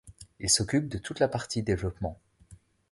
Il s'occupe de toute la partie développement.